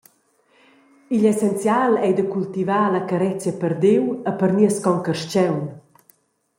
Igl essenzial ei da cultivar la carezia per Diu e per nies concarstgaun.